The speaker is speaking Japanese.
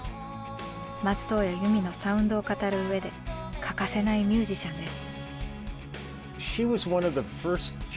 松任谷由実のサウンドを語るうえで欠かせないミュージシャンです。